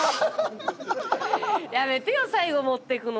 やめてよ最後持ってくの。